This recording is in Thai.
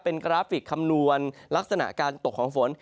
เป็นกราฟิกคำนวณลักษณะการตกของฝน